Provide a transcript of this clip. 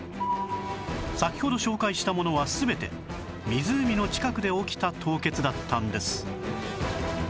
先ほど紹介したものは全て湖の近くで起きた凍結だったんです